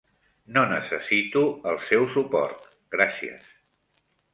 No necessito el seu suport, gràcies.